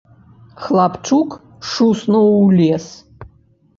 Хлапчук шуснуў у лес.